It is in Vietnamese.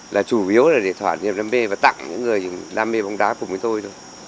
là chủ yếu là để thỏa niềm đam mê và tặng những người đam mê bóng đá cùng với tôi thôi